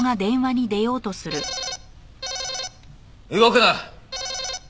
動くな！